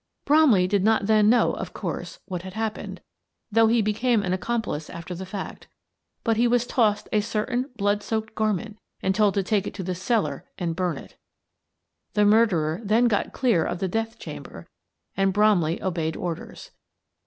Bromley did not then know, of course, what had happened, — though he became an accomplice after the fact, — but he was tossed a certain blood soaked garment and told to take it to the cellar and burn it The murderer then got clear of the death chamber and Bromley obeyed orders.